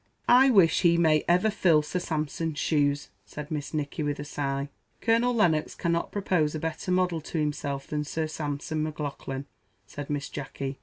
"I wish he may ever fill Sir Sampson's shoes!" said Miss Nicky, with a sigh. "Colonel Lennox cannot propose a better model to himself than Sir Sampson Maclaughlan," said Miss Jacky.